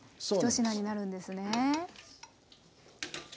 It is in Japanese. １品になるんですね。